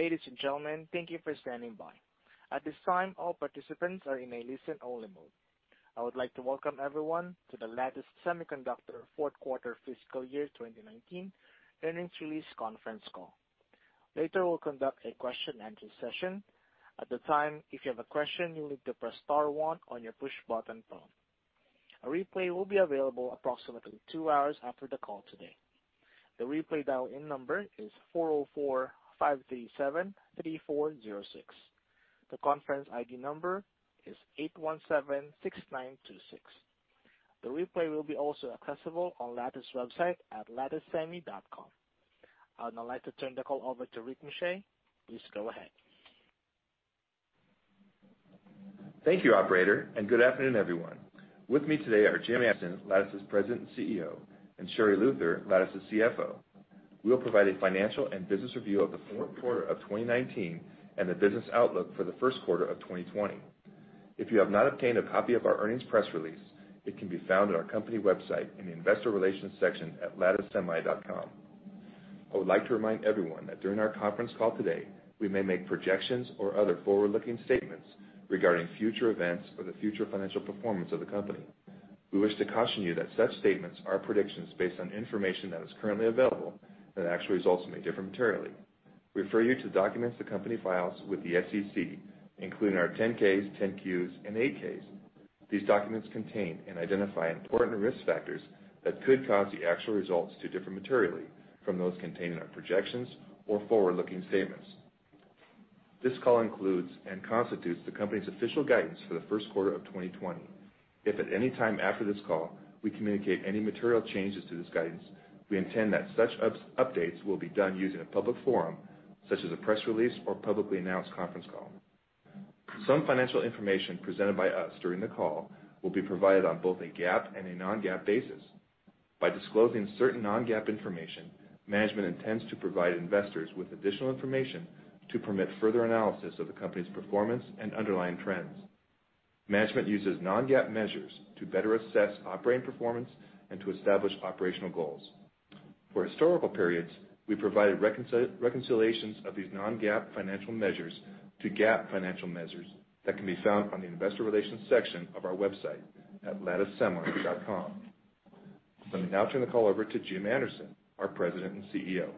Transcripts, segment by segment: Ladies and gentlemen, thank you for standing by. At this time, all participants are in a listen-only mode. I would like to welcome everyone to the Lattice Semiconductor fourth quarter fiscal year 2019 earnings release conference call. Later, we'll conduct a question-and-answer session. At the time, if you have a question, you'll need to press star one on your push button phone. A replay will be available approximately two hours after the call today. The replay dial-in number is 404-537-3406. The conference ID number is 8176926. The replay will be also accessible on Lattice website at latticesemi.com. I would now like to turn the call over to Rick Muscha. Please go ahead. Thank you, operator, and good afternoon, everyone. With me today are Jim Anderson, Lattice's President and CEO. And Sherri Luther, Lattice's CFO. We'll provide a financial and business review of the fourth quarter of 2019 and the business outlook for the first quarter of 2020. If you have not obtained a copy of our earnings press release, it can be found on our company website in the investor relations section at latticesemi.com. I would like to remind everyone that during our conference call today, we may make projections or other forward-looking statements regarding future events or the future financial performance of the company. We wish to caution you that such statements are predictions based on information that is currently available, that actual results may differ materially. We refer you to documents the company files with the SEC, including our 10-K, 10-Q, and 8-K. These documents contain and identify important risk factors that could cause the actual results to differ materially from those contained in our projections or forward-looking statements. This call includes and constitutes the company's official guidance for the first quarter of 2020. If at any time after this call, we communicate any material changes to this guidance, we intend that such updates will be done using a public forum, such as a press release or publicly announced conference call. Some financial information presented by us during the call will be provided on both a GAAP and a non-GAAP basis. By disclosing certain non-GAAP information, management intends to provide investors with additional information to permit further analysis of the company's performance and underlying trends. Management uses non-GAAP measures to better assess operating performance and to establish operational goals. For historical periods, we provided reconciliations of these non-GAAP financial measures to GAAP financial measures that can be found on the investor relations section of our website at latticesemi.com. Let me now turn the call over to Jim Anderson, our President and CEO.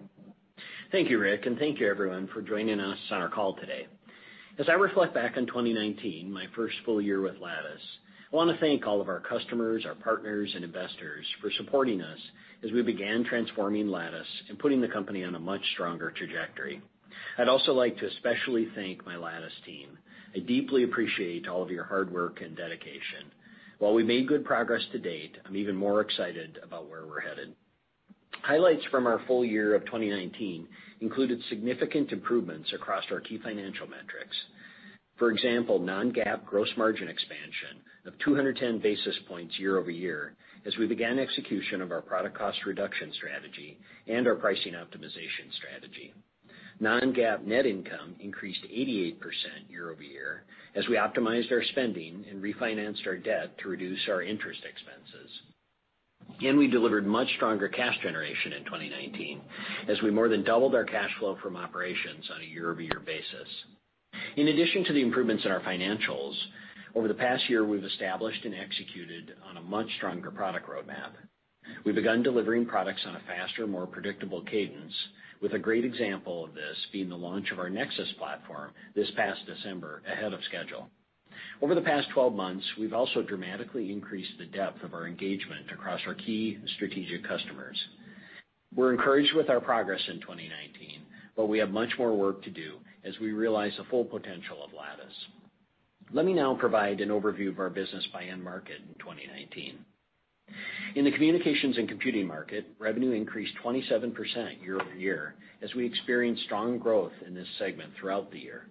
Thank you, Rick, thank you everyone for joining us on our call today. As I reflect back on 2019, my first full year with Lattice, I want to thank all of our customers, our partners, and investors for supporting us as we began transforming Lattice and putting the company on a much stronger trajectory. I'd also like to especially thank my Lattice team. I deeply appreciate all of your hard work and dedication. While we've made good progress to date, I'm even more excited about where we're headed. Highlights from our full year of 2019 included significant improvements across our key financial metrics. For example, non-GAAP gross margin expansion of 210 basis points year-over-year as we began execution of our product cost reduction strategy and our pricing optimization strategy. Non-GAAP net income increased 88% year-over-year as we optimized our spending and refinanced our debt to reduce our interest expenses. We delivered much stronger cash generation in 2019 as we more than doubled our cash flow from operations on a year-over-year basis. In addition to the improvements in our financials, over the past year, we've established and executed on a much stronger product roadmap. We've begun delivering products on a faster, more predictable cadence with a great example of this being the launch of our Nexus platform this past December ahead of schedule. Over the past 12 months, we've also dramatically increased the depth of our engagement across our key strategic customers. We're encouraged with our progress in 2019, but we have much more work to do as we realize the full potential of Lattice. Let me now provide an overview of our business by end market in 2019. In the communications and computing market, revenue increased 27% year-over-year as we experienced strong growth in this segment throughout the year.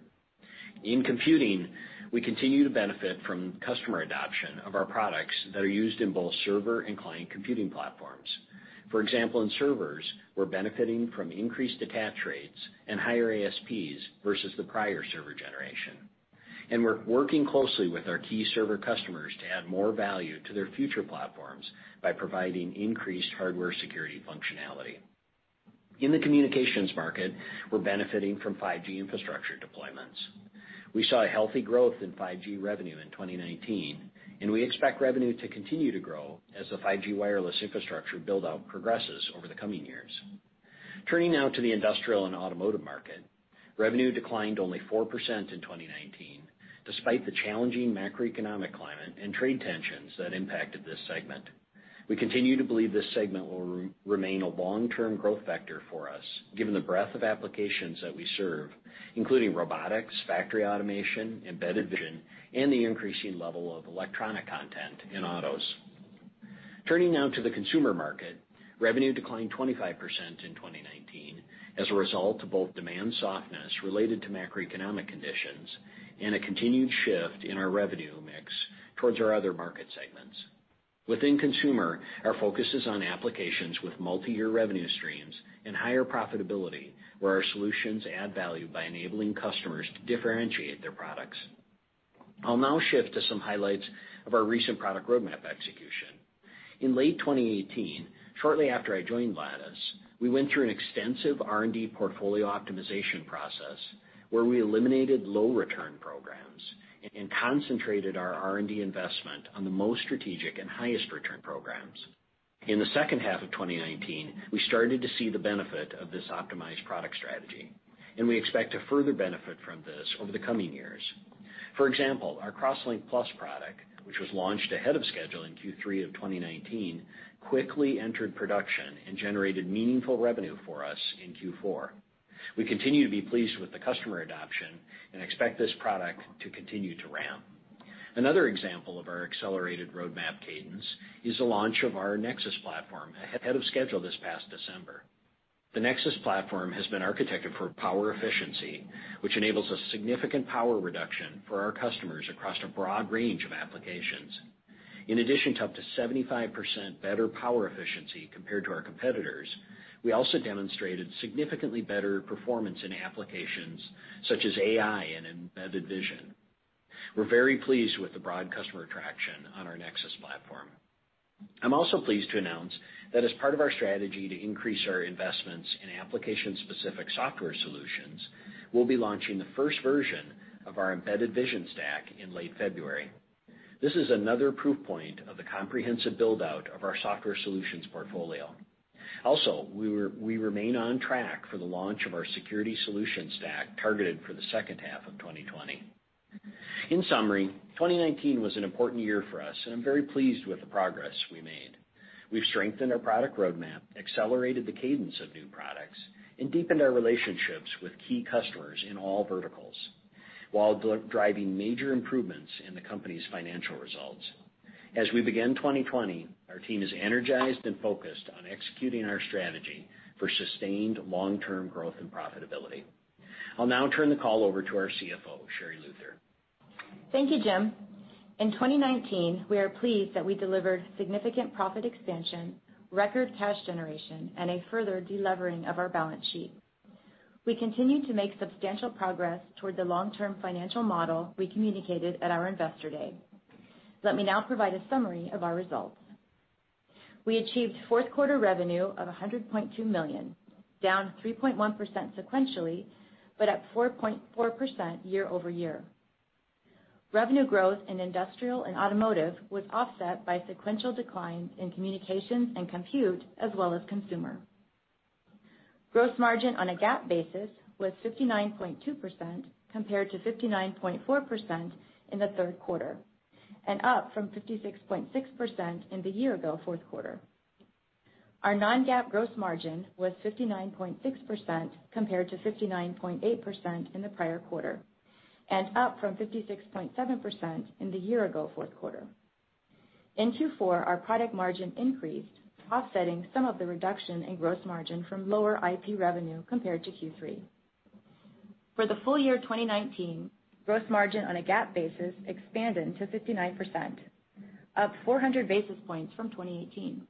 In computing, we continue to benefit from customer adoption of our products that are used in both server and client computing platforms. For example, in servers, we're benefiting from increased attach rates and higher ASPs versus the prior server generation. We're working closely with our key server customers to add more value to their future platforms by providing increased hardware security functionality. In the communications market, we're benefiting from 5G infrastructure deployments. We saw a healthy growth in 5G revenue in 2019, and we expect revenue to continue to grow as the 5G wireless infrastructure build-out progresses over the coming years. Turning now to the industrial and automotive market. Revenue declined only 4% in 2019, despite the challenging macroeconomic climate and trade tensions that impacted this segment. We continue to believe this segment will remain a long-term growth vector for us, given the breadth of applications that we serve, including robotics, factory automation, embedded vision, and the increasing level of electronic content in autos. Turning now to the consumer market. Revenue declined 25% in 2019 as a result of both demand softness related to macroeconomic conditions and a continued shift in our revenue mix towards our other market segments. Within consumer, our focus is on applications with multi-year revenue streams and higher profitability where our solutions add value by enabling customers to differentiate their products. I'll now shift to some highlights of our recent product roadmap execution. In late 2018, shortly after I joined Lattice, we went through an extensive R&D portfolio optimization process where we eliminated low return programs and concentrated our R&D investment on the most strategic and highest return programs. In the second half of 2019, we started to see the benefit of this optimized product strategy, and we expect to further benefit from this over the coming years. For example, our CrossLinkPlus product, which was launched ahead of schedule in Q3 of 2019, quickly entered production and generated meaningful revenue for us in Q4. We continue to be pleased with the customer adoption and expect this product to continue to ramp. Another example of our accelerated roadmap cadence is the launch of our Lattice Nexus platform ahead of schedule this past December. The Nexus platform has been architected for power efficiency, which enables a significant power reduction for our customers across a broad range of applications. In addition to up to 75% better power efficiency compared to our competitors, we also demonstrated significantly better performance in applications such as AI and embedded vision. We're very pleased with the broad customer traction on our Nexus platform. I'm also pleased to announce that as part of our strategy to increase our investments in application-specific software solutions, we'll be launching the first version of our Embedded Vision Stack in late February. This is another proof point of the comprehensive build-out of our software solutions portfolio. We remain on track for the launch of our security solution stack targeted for the second half of 2020. In summary, 2019 was an important year for us, and I'm very pleased with the progress we made. We've strengthened our product roadmap, accelerated the cadence of new products, and deepened our relationships with key customers in all verticals while driving major improvements in the company's financial results. As we begin 2020, our team is energized and focused on executing our strategy for sustained long-term growth and profitability. I'll now turn the call over to our CFO, Sherri Luther. Thank you, Jim. In 2019, we are pleased that we delivered significant profit expansion, record cash generation, and a further delevering of our balance sheet. We continue to make substantial progress toward the long-term financial model we communicated at our Investor Day. Let me now provide a summary of our results. We achieved fourth quarter revenue of $100.2 million, down 3.1% sequentially, but up 4.4% year-over-year. Revenue growth in industrial and automotive was offset by sequential declines in communications and compute, as well as consumer. Gross margin on a GAAP basis was 59.2%, compared to 59.4% in the third quarter, and up from 56.6% in the year-ago fourth quarter. Our non-GAAP gross margin was 59.6%, compared to 59.8% in the prior quarter, and up from 56.7% in the year-ago fourth quarter. In Q4, our product margin increased, offsetting some of the reduction in gross margin from lower IP revenue compared to Q3. For the full year 2019, gross margin on a GAAP basis expanded to 59%, up 400 basis points from 2018.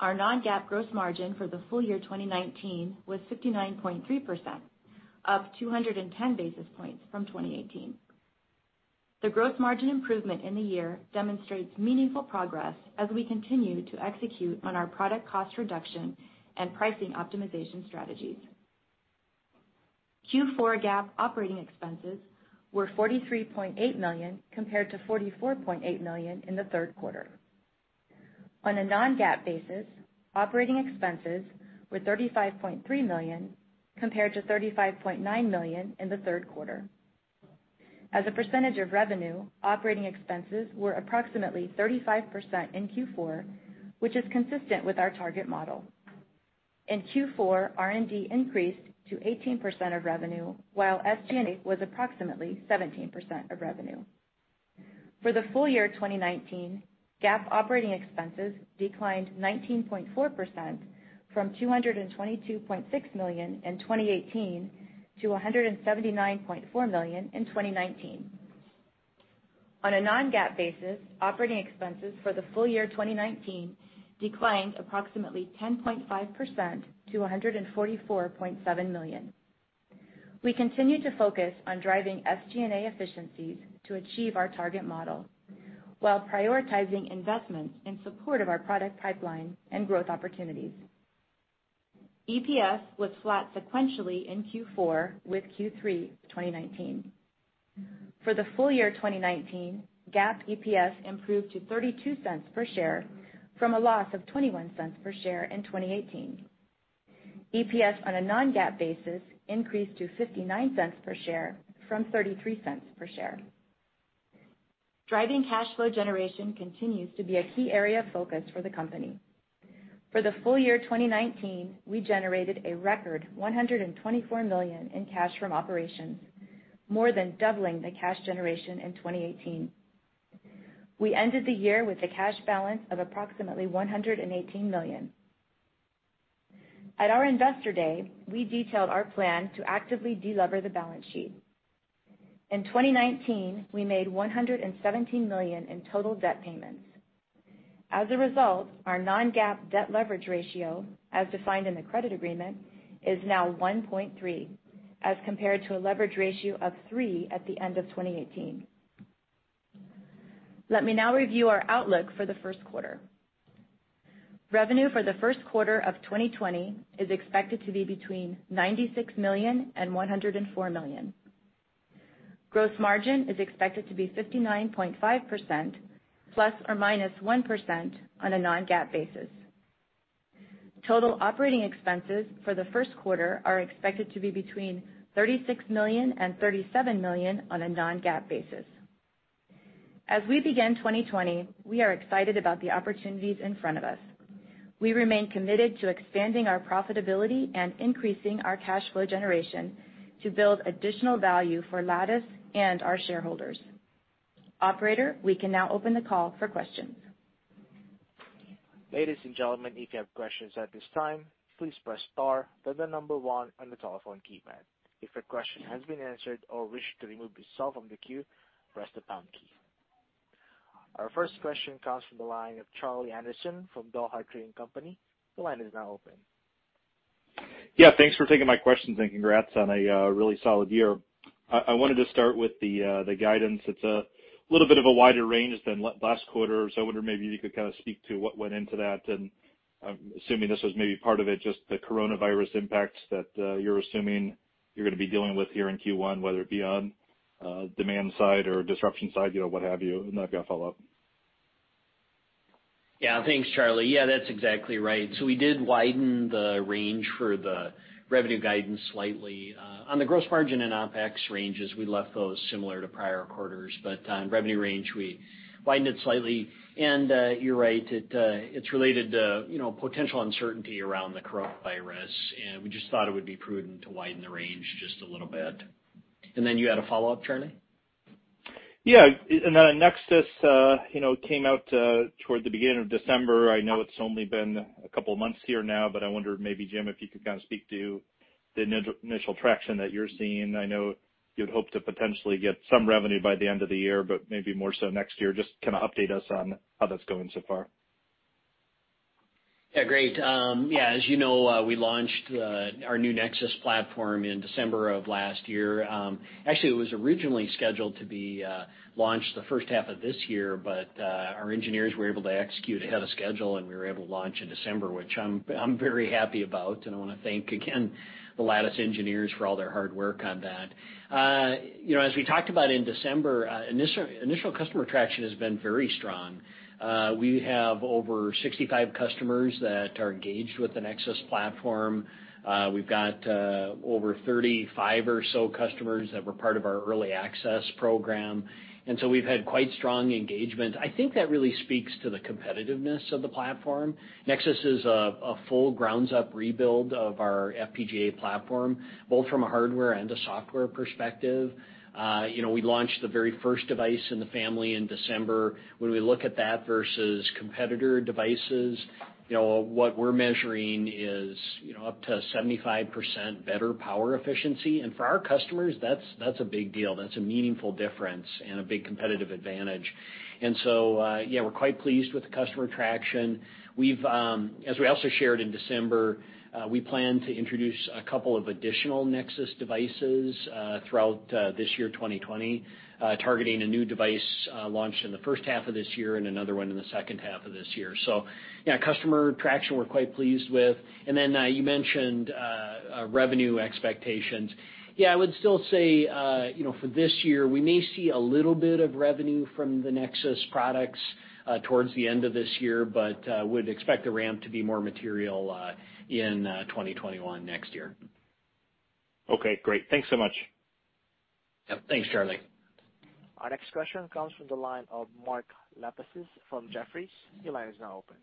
Our non-GAAP gross margin for the full year 2019 was 59.3%, up 210 basis points from 2018. The gross margin improvement in the year demonstrates meaningful progress as we continue to execute on our product cost reduction and pricing optimization strategies. Q4 GAAP operating expenses were $43.8 million, compared to $44.8 million in the third quarter. On a non-GAAP basis, operating expenses were $35.3 million, compared to $35.9 million in the third quarter. As a percentage of revenue, operating expenses were approximately 35% in Q4, which is consistent with our target model. In Q4, R&D increased to 18% of revenue, while SG&A was approximately 17% of revenue. For the full year 2019, GAAP operating expenses declined 19.4%, from $222.6 million in 2018 to $179.4 million in 2019. On a non-GAAP basis, operating expenses for the full year 2019 declined approximately 10.5% to $144.7 million. We continue to focus on driving SG&A efficiencies to achieve our target model while prioritizing investments in support of our product pipeline and growth opportunities. EPS was flat sequentially in Q4 with Q3 2019. For the full year 2019, GAAP EPS improved to $0.32 per share from a loss of $0.21 per share in 2018. EPS on a non-GAAP basis increased to $0.59 per share from $0.33 per share. Driving cash flow generation continues to be a key area of focus for the company. For the full year 2019, we generated a record $124 million in cash from operations, more than doubling the cash generation in 2018. We ended the year with a cash balance of approximately $118 million. At our Investor Day, we detailed our plan to actively delever the balance sheet. In 2019, we made $117 million in total debt payments. As a result, our non-GAAP debt leverage ratio, as defined in the credit agreement, is now 1.3, as compared to a leverage ratio of three at the end of 2018. Let me now review our outlook for the first quarter. Revenue for the first quarter of 2020 is expected to be between $96 million and $104 million. Gross margin is expected to be 59.5% ±1%, on a non-GAAP basis. Total operating expenses for the first quarter are expected to be between $36 million and $37 million on a non-GAAP basis. As we begin 2020, we are excited about the opportunities in front of us. We remain committed to expanding our profitability and increasing our cash flow generation to build additional value for Lattice and our shareholders. Operator, we can now open the call for questions. Ladies and gentlemen, if you have questions at this time, please press star then the number one on the telephone keypad. If your question has been answered or wish to remove yourself from the queue, press the pound key. Our first question comes from the line of Charlie Anderson from Dougherty & Company. The line is now open. Yeah, thanks for taking my questions and congrats on a really solid year. I wanted to start with the guidance. It's a little bit of a wider range than last quarter, so I wonder maybe you could kind of speak to what went into that. I'm assuming this was maybe part of it, just the coronavirus impacts that you're assuming you're going to be dealing with here in Q1, whether it be on demand side or disruption side, what have you, and I've got a follow-up. Yeah. Thanks, Charlie. Yeah, that's exactly right. We did widen the range for the revenue guidance slightly. On the gross margin and OpEx ranges, we left those similar to prior quarters. On revenue range, we widened it slightly. You're right, it's related to potential uncertainty around the coronavirus, and we just thought it would be prudent to widen the range just a little bit. You had a follow-up, Charlie? Yeah. Then Nexus came out toward the beginning of December. I know it's only been a couple of months here now, but I wondered maybe, Jim, if you could kind of speak to the initial traction that you're seeing. I know you'd hope to potentially get some revenue by the end of the year, but maybe more so next year. Just kind of update us on how that's going so far? Yeah. Great. Yeah. As you know, we launched our new Nexus platform in December of last year. Actually, it was originally scheduled to be launched the first half of this year, our engineers were able to execute ahead of schedule, we were able to launch in December, which I'm very happy about, I want to thank again the Lattice engineers for all their hard work on that. As we talked about in December, initial customer traction has been very strong. We have over 65 customers that are engaged with the Nexus platform. We've got over 35 or so customers that were part of our early access program, we've had quite strong engagement. I think that really speaks to the competitiveness of the platform. Nexus is a full ground-up rebuild of our FPGA platform, both from a hardware and a software perspective. We launched the very first device in the family in December. When we look at that versus competitor devices, what we're measuring is up to 75% better power efficiency. For our customers, that's a big deal. That's a meaningful difference and a big competitive advantage. Yeah, we're quite pleased with the customer traction. As we also shared in December, we plan to introduce a couple of additional Nexus devices throughout this year, 2020, targeting a new device launch in the first half of this year and another one in the second half of this year. Yeah, customer traction we're quite pleased with. You mentioned revenue expectations. Yeah, I would still say for this year, we may see a little bit of revenue from the Nexus products towards the end of this year, but would expect the ramp to be more material in 2021 next year. Okay, great. Thanks so much. Yep. Thanks, Charlie. Our next question comes from the line of Mark Lipacis from Jefferies. Your line is now open.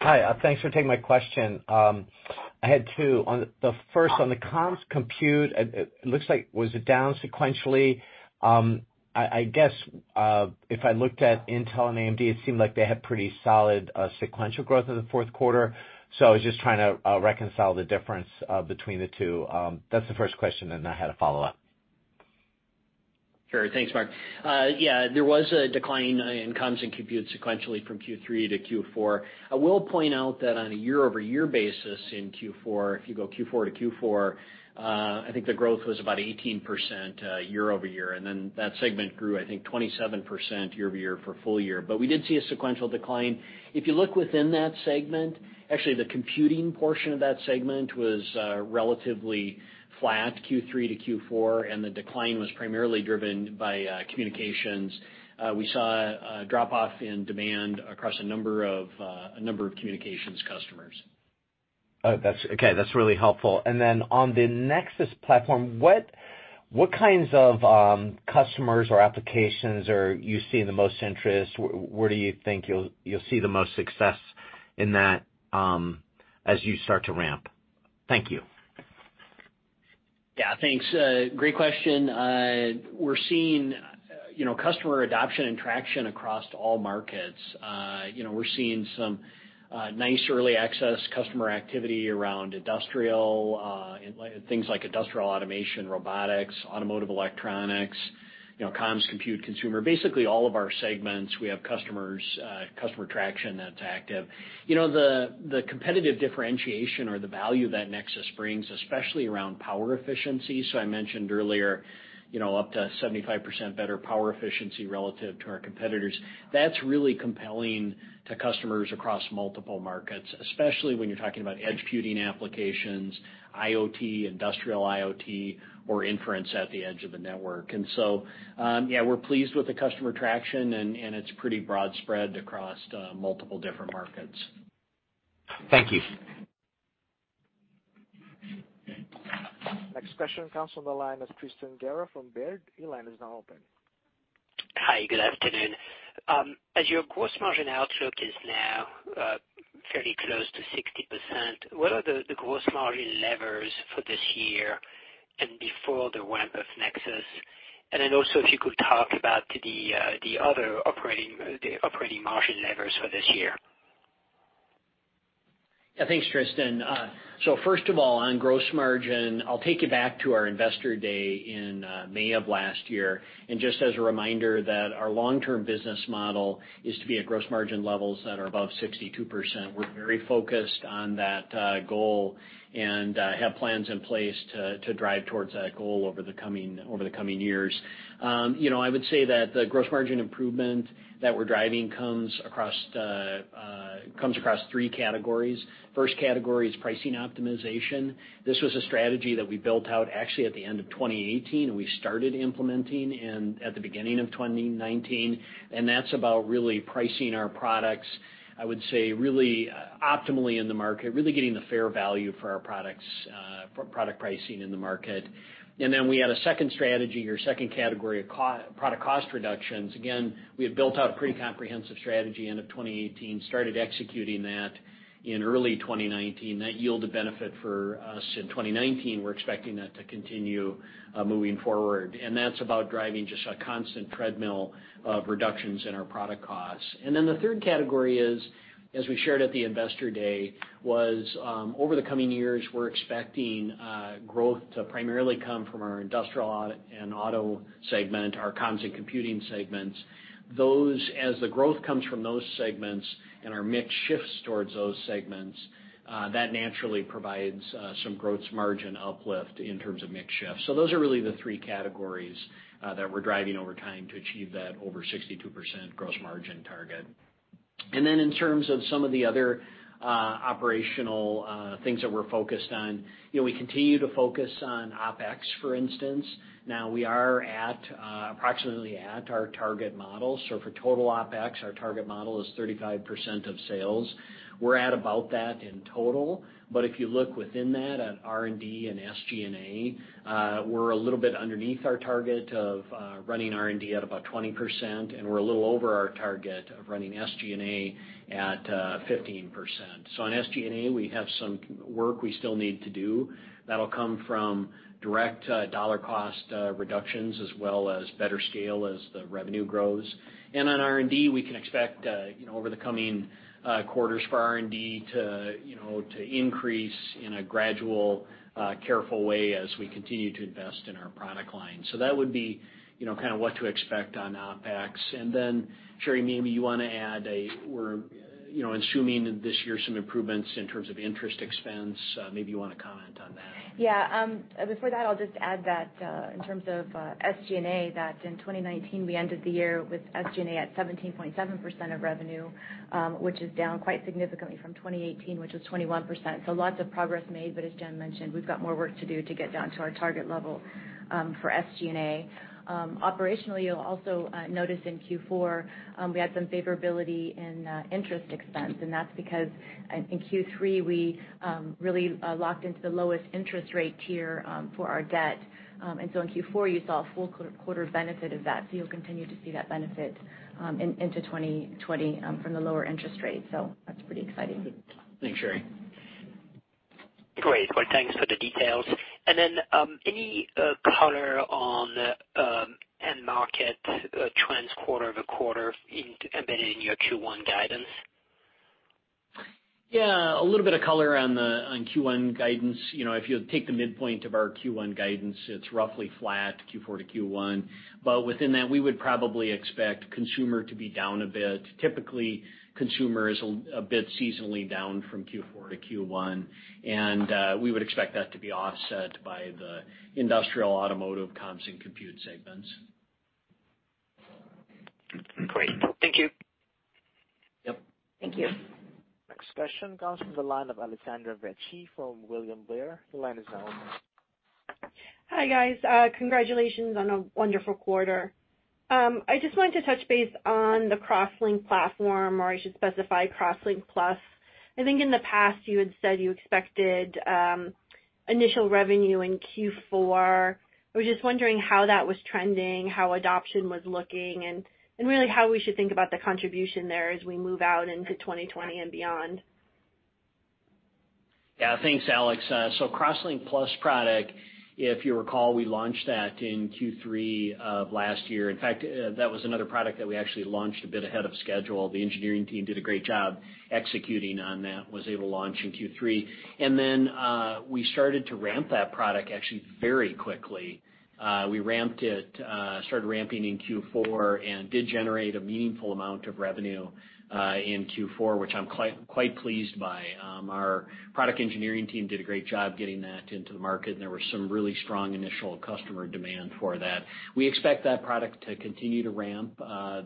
Hi. Thanks for taking my question. I had two. The first on the comms compute, it looks like was it down sequentially? I guess if I looked at Intel and AMD, it seemed like they had pretty solid sequential growth in the fourth quarter. I was just trying to reconcile the difference between the two. That's the first question, and I had a follow-up. Sure. Thanks, Mark. Yeah, there was a decline in comms and compute sequentially from Q3 to Q4. I will point out that on a year-over-year basis in Q4, if you go Q4 to Q4, I think the growth was about 18% year-over-year. That segment grew, I think, 27% year-over-year for full year. We did see a sequential decline. If you look within that segment, actually the computing portion of that segment was relatively flat Q3 to Q4, and the decline was primarily driven by communications. We saw a drop off in demand across a number of communications customers. Oh, that's okay. That's really helpful. Then on the Nexus platform, what kinds of customers or applications are you seeing the most interest? Where do you think you'll see the most success in that as you start to ramp? Thank you. Yeah, thanks. Great question. We're seeing customer adoption and traction across all markets. We're seeing some nice early access customer activity around industrial, things like industrial automation, robotics, automotive electronics, Comms, compute, consumer, basically all of our segments, we have customer traction that's active. The competitive differentiation or the value that Lattice Nexus brings, especially around power efficiency, I mentioned earlier, up to 75% better power efficiency relative to our competitors. That's really compelling to customers across multiple markets, especially when you're talking about edge computing applications, IoT, industrial IoT, or inference at the edge of a network. Yeah, we're pleased with the customer traction, and it's pretty broad spread across multiple different markets. Thank you. Next question comes from the line of Tristan Gerra from Baird. Your line is now open. Hi. Good afternoon. As your gross margin outlook is now fairly close to 60%, what are the gross margin levers for this year and before the ramp of Nexus? Also, if you could talk about the other operating margin levers for this year? Yeah. Thanks, Tristan. First of all, on gross margin, I'll take you back to our Investor Day in May of last year. Just as a reminder that our long-term business model is to be at gross margin levels that are above 62%. We're very focused on that goal and have plans in place to drive towards that goal over the coming years. I would say that the gross margin improvement that we're driving comes across three categories. First category is pricing optimization. This was a strategy that we built out actually at the end of 2018, and we started implementing at the beginning of 2019. That's about really pricing our products, I would say, really optimally in the market, really getting the fair value for our product pricing in the market. Then we had a second strategy or second category of product cost reductions. We had built out a pretty comprehensive strategy end of 2018, started executing that in early 2019. That yielded benefit for us in 2019. We're expecting that to continue moving forward. That's about driving just a constant treadmill of reductions in our product costs. The third category is, as we shared at the Investor Day, was, over the coming years, we're expecting growth to primarily come from our industrial and auto segment, our comms and computing segments. The growth comes from those segments and our mix shifts towards those segments, that naturally provides some gross margin uplift in terms of mix shift. Those are really the three categories that we're driving over time to achieve that over 62% gross margin target. In terms of some of the other operational things that we're focused on, we continue to focus on OpEx, for instance. Now we are approximately at our target model. For total OpEx, our target model is 35% of sales. We're at about that in total. If you look within that at R&D and SG&A, we're a little bit underneath our target of running R&D at about 20%, and we're a little over our target of running SG&A at 15%. On SG&A, we have some work we still need to do. That'll come from direct dollar cost reductions as well as better scale as the revenue grows. On R&D, we can expect over the coming quarters for R&D to increase in a gradual, careful way as we continue to invest in our product line. That would be what to expect on OpEx. Sherri, maybe you want to add, we're assuming this year some improvements in terms of interest expense. Maybe you want to comment on that. Yeah. Before that, I'll just add that in terms of SG&A, that in 2019, we ended the year with SG&A at 17.7% of revenue, which is down quite significantly from 2018, which was 21%. Lots of progress made, but as Jim mentioned, we've got more work to do to get down to our target level for SG&A. Operationally, you'll also notice in Q4, we had some favorability in interest expense, that's because in Q3, we really locked into the lowest interest rate tier for our debt. In Q4, you saw a full quarter benefit of that. You'll continue to see that benefit into 2020 from the lower interest rate. That's pretty exciting. Thanks, Sherri. Great. Well, thanks for the details. Any color on end market trends quarter-over-quarter embedded in your Q1 guidance? Yeah. A little bit of color on Q1 guidance. If you take the midpoint of our Q1 guidance, it's roughly flat Q4 to Q1. Within that, we would probably expect consumer to be down a bit. Typically, consumer is a bit seasonally down from Q4 to Q1, and we would expect that to be offset by the industrial, automotive, comms, and compute segments. Great. Thank you. Yep. Thank you. Next question comes from the line of Alessandra Vecchi from William Blair. The line is now open. Hi, guys. Congratulations on a wonderful quarter. I just wanted to touch base on the CrossLink platform, or I should specify CrossLinkPlus. I think in the past you had said you expected initial revenue in Q4. I was just wondering how that was trending, how adoption was looking, and really how we should think about the contribution there as we move out into 2020 and beyond. Yeah. Thanks, Alex. CrossLink-Plus product, if you recall, we launched that in Q3 of last year. In fact, that was another product that we actually launched a bit ahead of schedule. The engineering team did a great job executing on that, was able to launch in Q3. We started to ramp that product actually very quickly. We started ramping in Q4 and did generate a meaningful amount of revenue in Q4, which I'm quite pleased by. Our product engineering team did a great job getting that into the market, and there was some really strong initial customer demand for that. We expect that product to continue to ramp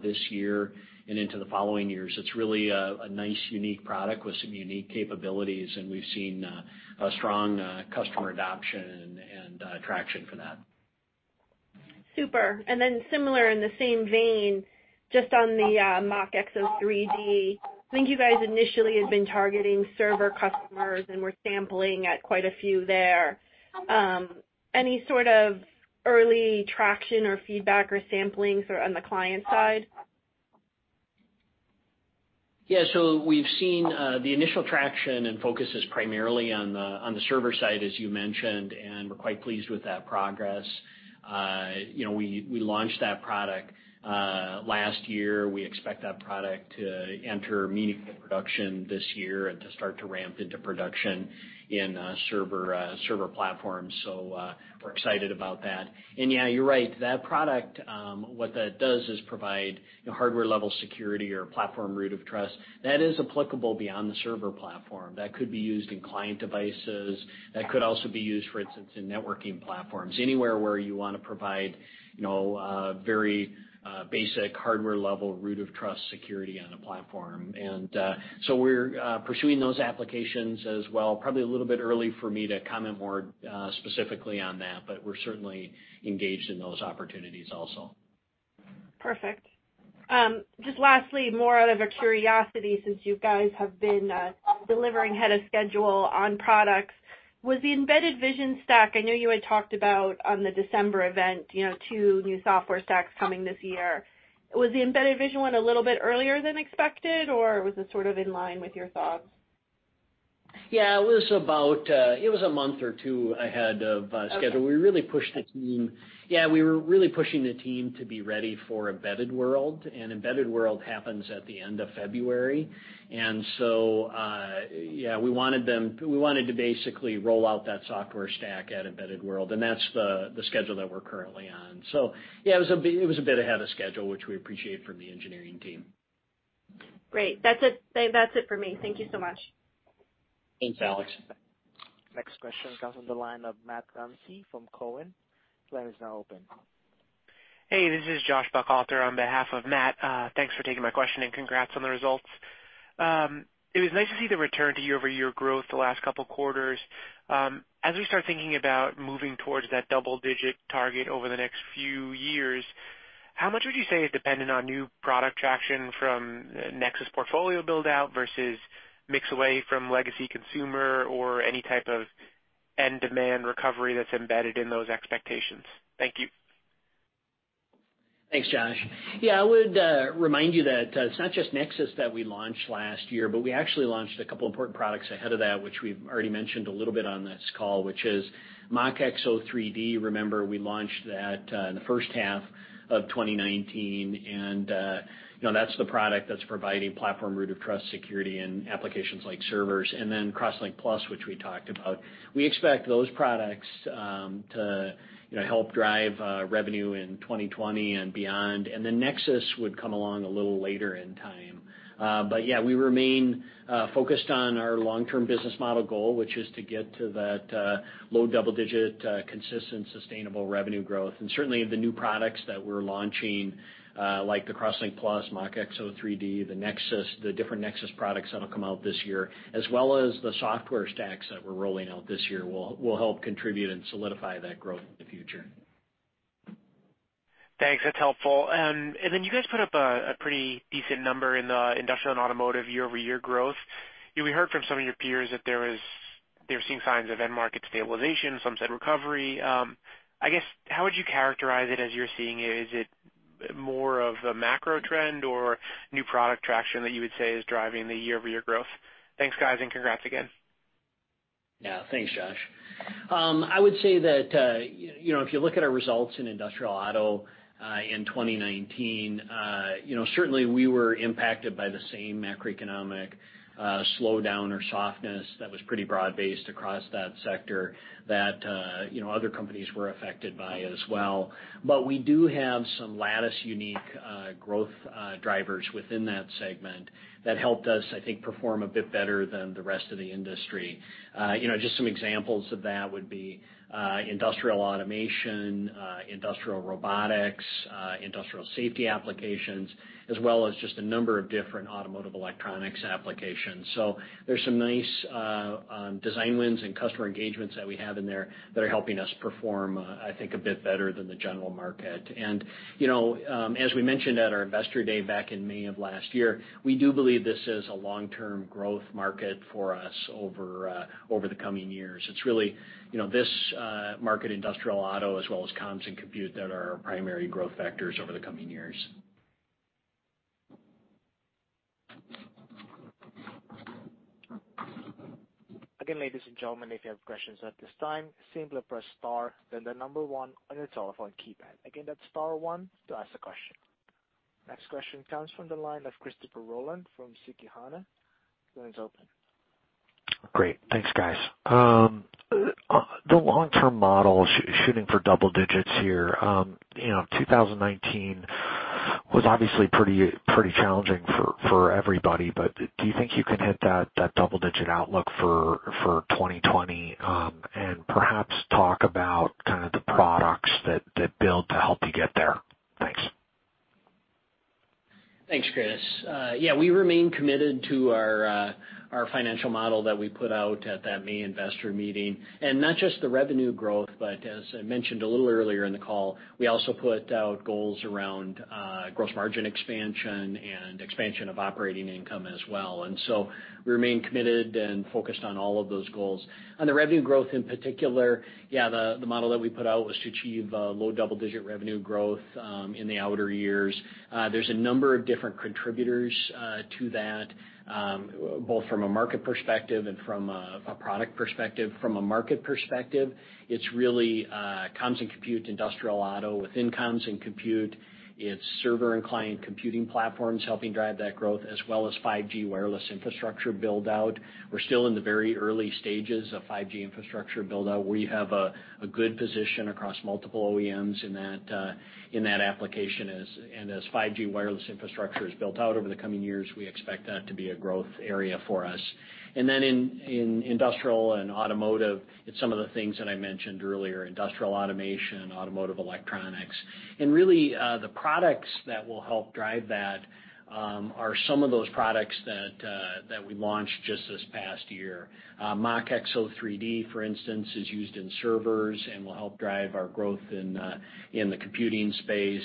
this year and into the following years. It's really a nice, unique product with some unique capabilities, and we've seen a strong customer adoption and traction for that. Super. Similar in the same vein, just on the MachXO3D, I think you guys initially had been targeting server customers and were sampling at quite a few there. Any sort of early traction or feedback or samplings on the client side? We've seen the initial traction and focus is primarily on the server side, as you mentioned, and we're quite pleased with that progress. We launched that product last year. We expect that product to enter meaningful production this year and to start to ramp into production in server platforms. We're excited about that. You're right. That product, what that does is provide hardware-level security or platform root of trust. That is applicable beyond the server platform. That could be used in client devices. That could also be used, for instance, in networking platforms, anywhere where you want to provide very basic hardware-level root of trust security on a platform. We're pursuing those applications as well. Probably a little bit early for me to comment more specifically on that, but we're certainly engaged in those opportunities also. Perfect. Just lastly, more out of a curiosity, since you guys have been delivering ahead of schedule on products, was the embedded vision stack, I know you had talked about on the December event, two new software stacks coming this year. Was the embedded vision one a little bit earlier than expected, or was it sort of in line with your thoughts? Yeah, it was a month or two ahead of schedule. Okay. We were really pushing the team to be ready for embedded world, and embedded world happens at the end of February. Yeah, we wanted to basically roll out that software stack at embedded world, and that's the schedule that we're currently on. Yeah, it was a bit ahead of schedule, which we appreciate from the engineering team. Great. That's it for me. Thank you so much. Thanks, Alex. Next question comes on the line of Matt Ramsay from Cowen. The line is now open. Hey, this is Josh Buchalter on behalf of Matt. Thanks for taking my question and congrats on the results. It was nice to see the return to year-over-year growth the last couple of quarters. As we start thinking about moving towards that double-digit target over the next few years, how much would you say is dependent on new product traction from Nexus portfolio build-out versus mix away from legacy consumer or any type of end demand recovery that's embedded in those expectations? Thank you. Thanks, Josh. Yeah, I would remind you that it's not just Nexus that we launched last year, but we actually launched a couple important products ahead of that, which we've already mentioned a little bit on this call, which is MachXO3D. Remember, we launched that in the first half of 2019, and that's the product that's providing platform root of trust security in applications like servers, and then CrossLinkPlus, which we talked about. We expect those products to help drive revenue in 2020 and beyond. Nexus would come along a little later in time. Yeah, we remain focused on our long-term business model goal, which is to get to that low double-digit, consistent, sustainable revenue growth. Certainly, the new products that we're launching, like the CrossLinkPlus, MachXO3D, the different Nexus products that'll come out this year, as well as the software stacks that we're rolling out this year, will help contribute and solidify that growth in the future. Thanks. That's helpful. Then you guys put up a pretty decent number in the industrial and automotive year-over-year growth. We heard from some of your peers that they're seeing signs of end market stabilization. Some said recovery. I guess, how would you characterize it as you're seeing it? Is it more of a macro trend or new product traction that you would say is driving the year-over-year growth? Thanks, guys, and congrats again. Yeah. Thanks, Josh. I would say that if you look at our results in industrial auto in 2019, certainly we were impacted by the same macroeconomic slowdown or softness that was pretty broad-based across that sector that other companies were affected by as well. We do have some Lattice unique growth drivers within that segment that helped us, I think, perform a bit better than the rest of the industry. Just some examples of that would be industrial automation, industrial robotics, industrial safety applications, as well as just a number of different automotive electronics applications. There's some nice design wins and customer engagements that we have in there that are helping us perform, I think, a bit better than the general market. As we mentioned at our Investor Day back in May of last year, we do believe this is a long-term growth market for us over the coming years. It's really this market, industrial auto, as well as comms and compute that are our primary growth vectors over the coming years. Again, ladies and gentlemen, if you have questions at this time, simply press star, then the number one on your telephone keypad. Again, that's star one to ask a question. Next question comes from the line of Christopher Rolland from Susquehanna. The line is open. Great. Thanks, guys. The long-term model shooting for double digits here. 2019 was obviously pretty challenging for everybody, do you think you can hit that double-digit outlook for 2020? Perhaps talk about the products that build to help you get there. Thanks. Thanks, Christopher. We remain committed to our financial model that we put out at that May investor meeting, not just the revenue growth, but as I mentioned a little earlier in the call, we also put out goals around gross margin expansion and expansion of operating income as well. We remain committed and focused on all of those goals. On the revenue growth in particular, the model that we put out was to achieve low double-digit revenue growth in the outer years. There's a number of different contributors to that, both from a market perspective and from a product perspective. From a market perspective, it's really comms and compute, industrial auto. Within comms and compute, it's server and client computing platforms helping drive that growth, as well as 5G wireless infrastructure build-out. We're still in the very early stages of 5G infrastructure build-out. We have a good position across multiple OEMs in that application, and as 5G wireless infrastructure is built out over the coming years, we expect that to be a growth area for us. In industrial and automotive, it's some of the things that I mentioned earlier, industrial automation, automotive electronics. Really, the products that will help drive that are some of those products that we launched just this past year. MachXO3D, for instance, is used in servers and will help drive our growth in the computing space.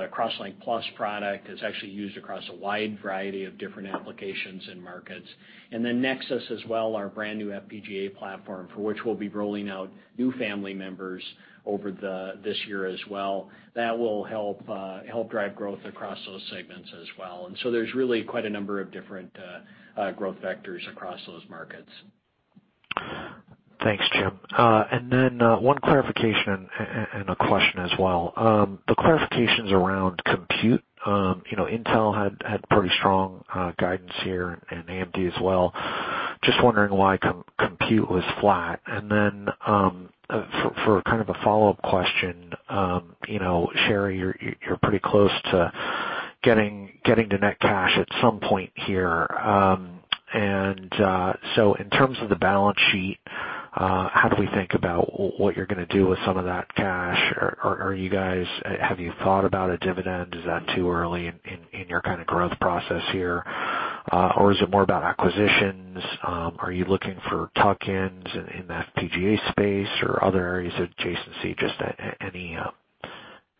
The CrossLinkPlus product is actually used across a wide variety of different applications and markets. Nexus as well, our brand new FPGA platform, for which we'll be rolling out new family members over this year as well. That will help drive growth across those segments as well. There's really quite a number of different growth vectors across those markets. Thanks, Jim. Then one clarification and a question as well. The clarification's around compute. Intel had pretty strong guidance here and AMD as well. Just wondering why compute was flat. Then for kind of a follow-up question, Sherri, you're pretty close to getting to net cash at some point here. So in terms of the balance sheet, how do we think about what you're going to do with some of that cash? Have you thought about a dividend? Is that too early in your growth process here? Or is it more about acquisitions? Are you looking for tuck-ins in the FPGA space or other areas of adjacency? Just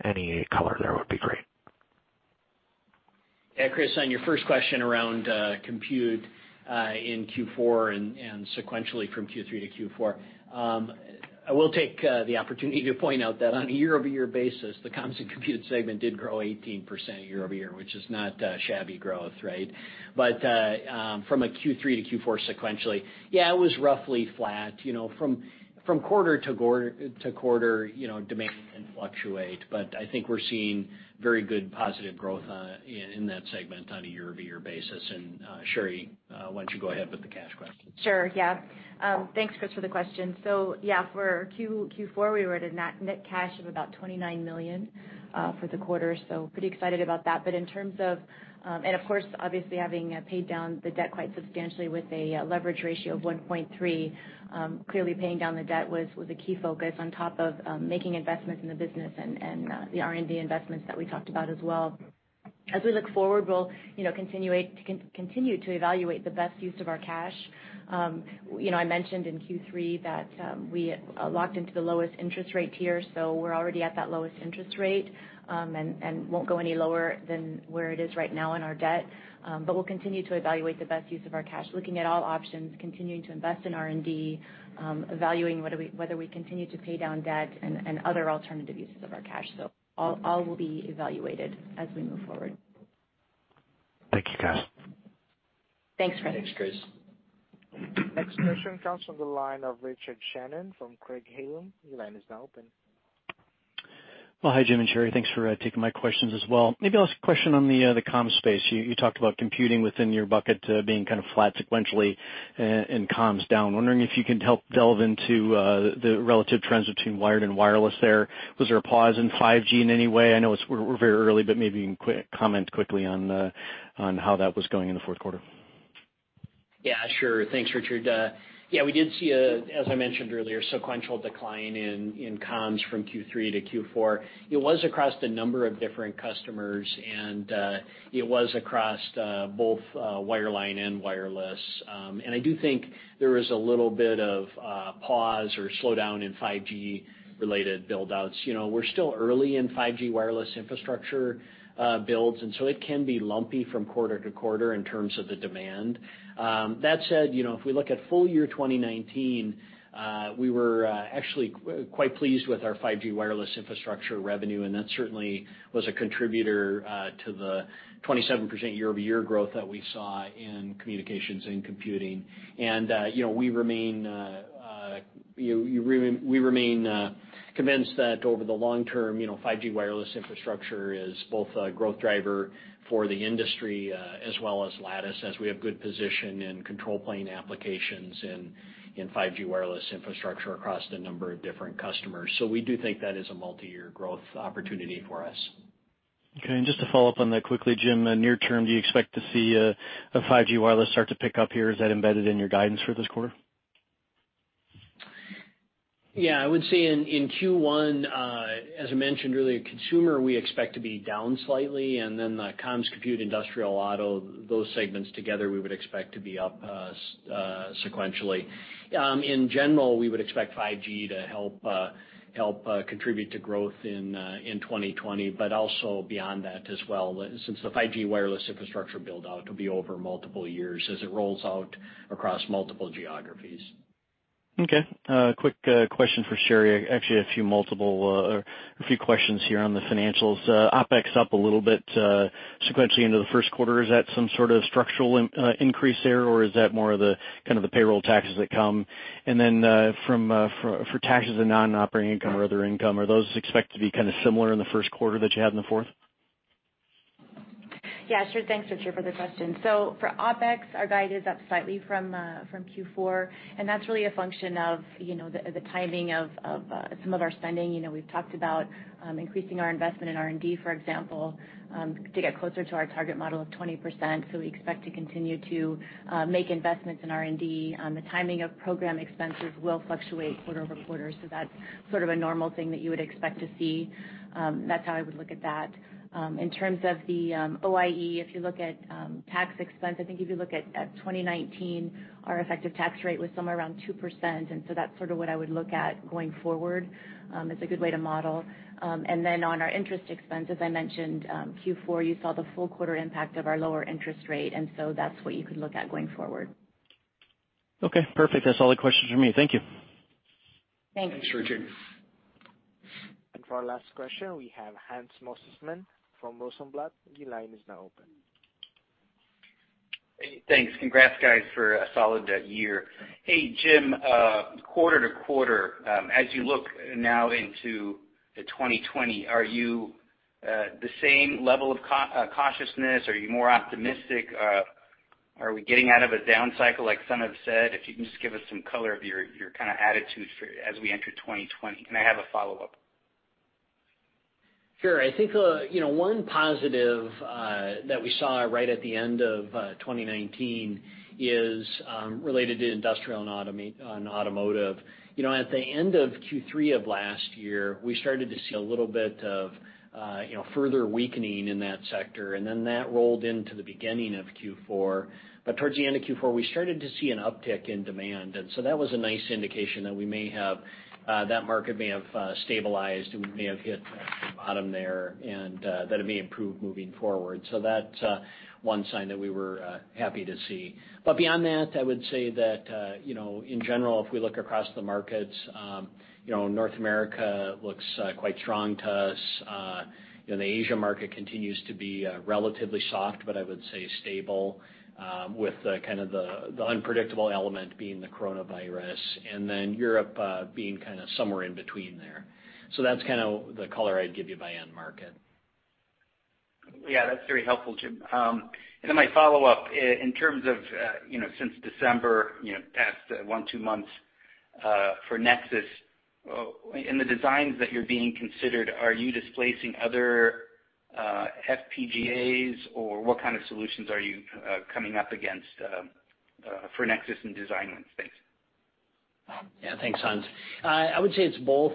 any color there would be great. Yeah, Chris, on your first question around compute in Q4 and sequentially from Q3 to Q4, I will take the opportunity to point out that on a year-over-year basis, the Comms and Compute Segment did grow 18% year-over-year, which is not shabby growth, right? From a Q3 to Q4 sequentially, yeah, it was roughly flat. From quarter-to-quarter, demand can fluctuate, but I think we're seeing very good positive growth in that segment on a year-over-year basis. Sherri, why don't you go ahead with the cash question? Sure. Yeah. Thanks, Chris, for the question. Yeah, for Q4, we were at a net cash of about $29 million for the quarter, pretty excited about that. Of course, obviously, having paid down the debt quite substantially with a leverage ratio of 1.30, clearly paying down the debt was a key focus on top of making investments in the business and the R&D investments that we talked about as well. As we look forward, we'll continue to evaluate the best use of our cash. I mentioned in Q3 that we locked into the lowest interest rate tier, we're already at that lowest interest rate and won't go any lower than where it is right now in our debt. We'll continue to evaluate the best use of our cash, looking at all options, continuing to invest in R&D, evaluating whether we continue to pay down debt and other alternative uses of our cash. All will be evaluated as we move forward. Thank you, guys. Thanks, Chris. Thanks, Chris. Next question comes from the line of Richard Shannon from Craig-Hallum. Your line is now open. Well, hi, Jim and Sherri. Thanks for taking my questions as well. Maybe I'll ask a question on the comms space. You talked about computing within your bucket being kind of flat sequentially and comms down. Wondering if you can help delve into the relative trends between wired and wireless there. Was there a pause in 5G in any way? I know we're very early, but maybe you can comment quickly on how that was going in the fourth quarter. Yeah, sure. Thanks, Richard. Yeah, we did see a, as I mentioned earlier, sequential decline in comms from Q3 to Q4. It was across a number of different customers, and it was across both wireline and wireless. I do think there was a little bit of a pause or slowdown in 5G-related build-outs. We're still early in 5G wireless infrastructure builds, and so it can be lumpy from quarter to quarter in terms of the demand. That said, if we look at full year 2019, we were actually quite pleased with our 5G wireless infrastructure revenue, and that certainly was a contributor to the 27% year-over-year growth that we saw in communications and computing. We remain convinced that over the long term, 5G wireless infrastructure is both a growth driver for the industry as well as Lattice, as we have good position in control plane applications in 5G wireless infrastructure across a number of different customers. We do think that is a multi-year growth opportunity for us. Okay. Just to follow up on that quickly, Jim, near term, do you expect to see a 5G wireless start to pick up here? Is that embedded in your guidance for this quarter? Yeah. I would say in Q1, as I mentioned, really consumer we expect to be down slightly and then the comms, compute, industrial, auto, those segments together we would expect to be up sequentially. In general, we would expect 5G to help contribute to growth in 2020, but also beyond that as well, since the 5G wireless infrastructure build-out will be over multiple years as it rolls out across multiple geographies. Okay. A quick question for Sherri. Actually, a few questions here on the financials. OpEx up a little bit sequentially into the first quarter. Is that some sort of structural increase there, or is that more of the payroll taxes that come? For taxes and non-operating income or other income, are those expected to be kind of similar in the first quarter that you had in the fourth? Yeah, sure. Thanks, Richard, for the question. For OpEx, our guide is up slightly from Q4, and that's really a function of the timing of some of our spending. We've talked about increasing our investment in R&D, for example, to get closer to our target model of 20%. We expect to continue to make investments in R&D. The timing of program expenses will fluctuate quarter-over-quarter, that's sort of a normal thing that you would expect to see. That's how I would look at that. In terms of the OIE, if you look at tax expense, I think if you look at 2019, our effective tax rate was somewhere around 2%, that's sort of what I would look at going forward as a good way to model. Then on our interest expense, as I mentioned, Q4, you saw the full quarter impact of our lower interest rate, and so that's what you could look at going forward. Okay, perfect. That's all the questions from me. Thank you. Thanks. Thanks, Richard. For our last question, we have Hans Mosesmann from Rosenblatt. Your line is now open. Thanks. Congrats, guys, for a solid year. Hey, Jim, quarter to quarter, as you look now into 2020, are you the same level of cautiousness? Are you more optimistic? Are we getting out of a down cycle like some have said? If you can just give us some color of your kind of attitude as we enter 2020. I have a follow-up. Sure. I think one positive that we saw right at the end of 2019 is related to industrial and automotive. At the end of Q3 of last year, we started to see a little bit of further weakening in that sector, and then that rolled into the beginning of Q4. Towards the end of Q4, we started to see an uptick in demand, and so that was a nice indication that that market may have stabilized and we may have hit the bottom there and that it may improve moving forward. That's one sign that we were happy to see. Beyond that, I would say that, in general, if we look across the markets, North America looks quite strong to us. The Asia market continues to be relatively soft, but I would say stable, with kind of the unpredictable element being the coronavirus, and then Europe being kind of somewhere in between there. That's kind of the color I'd give you by end market. Yeah, that's very helpful, Jim. My follow-up, in terms of since December, past one, two months for Nexus, in the designs that you're being considered, are you displacing other FPGAs, or what kind of solutions are you coming up against for Nexus in design win space? Yeah. Thanks, Hans. I would say it's both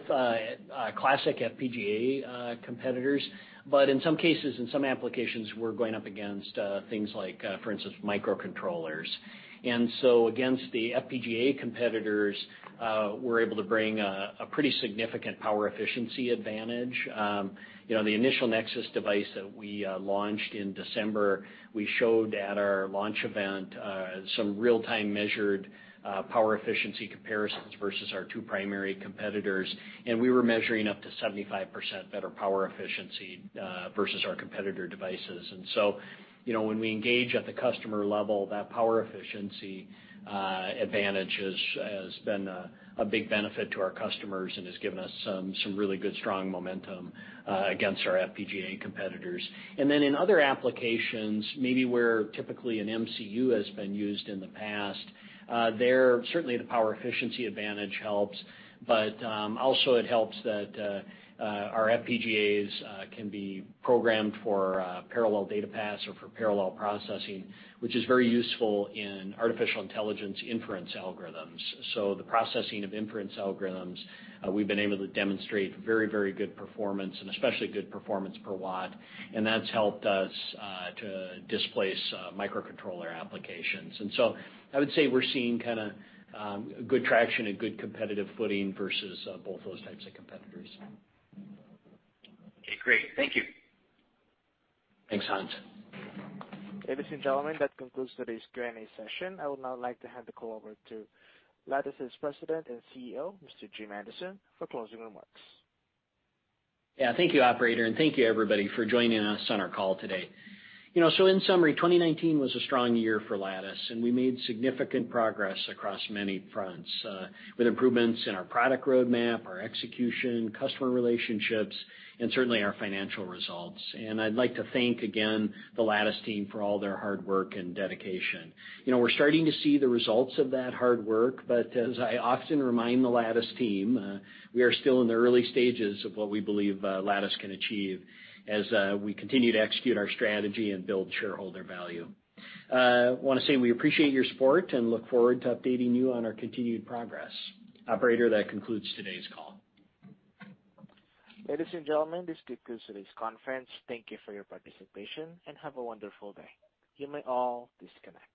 classic FPGA competitors, but in some cases, in some applications, we're going up against things like, for instance, microcontrollers. Against the FPGA competitors, we're able to bring a pretty significant power efficiency advantage. The initial Nexus device that we launched in December, we showed at our launch event some real-time measured power efficiency comparisons versus our two primary competitors, and we were measuring up to 75% better power efficiency versus our competitor devices. When we engage at the customer level, that power efficiency advantage has been a big benefit to our customers and has given us some really good, strong momentum against our FPGA competitors. Then in other applications, maybe where typically an MCU has been used in the past, there, certainly the power efficiency advantage helps, but also it helps that our FPGAs can be programmed for parallel data pass or for parallel processing, which is very useful in artificial intelligence inference algorithms. The processing of inference algorithms, we've been able to demonstrate very, very good performance and especially good performance per watt, and that's helped us to displace microcontroller applications. I would say we're seeing kind of good traction and good competitive footing versus both those types of competitors. Okay, great. Thank you. Thanks, Hans. Ladies and gentlemen, that concludes today's Q&A session. I would now like to hand the call over to Lattice's President and CEO, Mr. Jim Anderson, for closing remarks. Yeah, thank you, operator, and thank you, everybody, for joining us on our call today. In summary, 2019 was a strong year for Lattice, and we made significant progress across many fronts, with improvements in our product roadmap, our execution, customer relationships, and certainly our financial results. I'd like to thank again the Lattice team for all their hard work and dedication. We're starting to see the results of that hard work, but as I often remind the Lattice team, we are still in the early stages of what we believe Lattice can achieve as we continue to execute our strategy and build shareholder value. I want to say we appreciate your support and look forward to updating you on our continued progress. Operator, that concludes today's call. Ladies and gentlemen, this concludes today's conference. Thank you for your participation, and have a wonderful day. You may all disconnect.